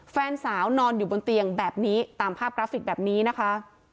แฟนสาวนอนอยู่บนเตียงแบบนี้ตามภาพกราฟิกแบบนี้นะคะ